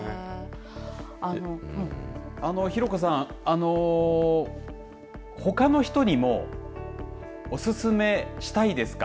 ひろこさんほかの人にもおすすめしたいですか。